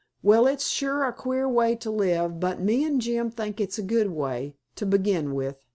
"Well it's sure a queer way to live, but me an' Jim think it's a good way—to begin with.